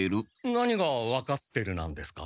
何が「分かってる」なんですか？